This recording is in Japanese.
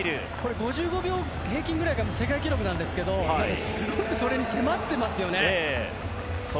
５５秒平均ぐらいが世界記録なんですけどすごく、それに迫ってますよね。